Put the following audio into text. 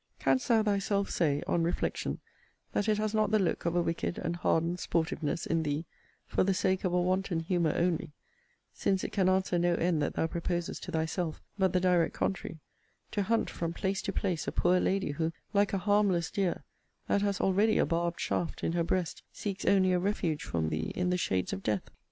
Canst thou thyself say, on reflection, that it has not the look of a wicked and hardened sportiveness, in thee, for the sake of a wanton humour only, (since it can answer no end that thou proposest to thyself, but the direct contrary,) to hunt from place to place a poor lady, who, like a harmless deer, that has already a barbed shaft in her breast, seeks only a refuge from thee in the shades of death.